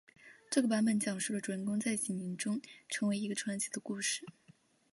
这个版本讲述了主人公在几年中成为了一个传奇的故事。